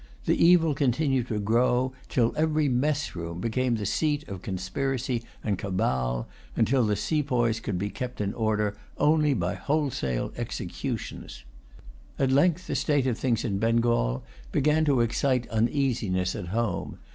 The evil continued to grow till every mess room became the seat of conspiracy and cabal, and till the sepoys could be kept in order only by wholesale executions. At length the state of things in Bengal began to excite uneasiness at home.